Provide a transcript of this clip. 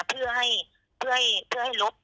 เพื่อให้ลบ